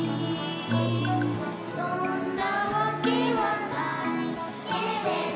「そんなわけはないけれど」